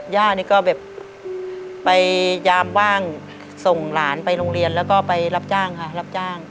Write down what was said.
ย่านี่ก็แบบไปยามว่างส่งหลานไปโรงเรียนแล้วก็ไปรับจ้างค่ะรับจ้าง